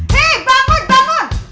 hei bangun bangun